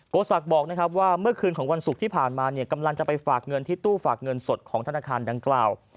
ศักดิ์บอกนะครับว่าเมื่อคืนของวันศุกร์ที่ผ่านมาเนี่ยกำลังจะไปฝากเงินที่ตู้ฝากเงินสดของธนาคารดังกล่าว